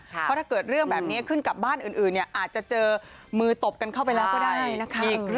เพราะถ้าเกิดเรื่องแบบนี้ขึ้นกับบ้านอื่นเนี่ยอาจจะเจอมือตบกันเข้าไปแล้วก็ได้นะคะ